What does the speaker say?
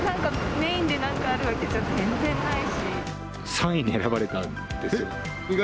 ３位に選ばれたんですけど。